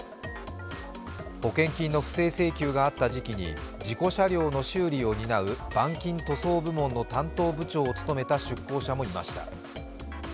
保険金の不正請求があった時期に事故車両の修理を担う板金塗装部門の担当部長を務めた出向者もいました。